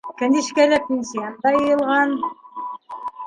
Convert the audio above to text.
Кенишкәлә пенсиям да йыйылған.